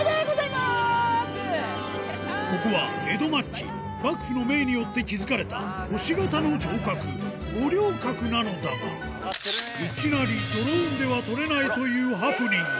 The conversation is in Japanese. ここは江戸末期、幕府の命によって築かれた星形の城郭、五稜郭なのだが、いきなりドローンでは撮れないというハプニング。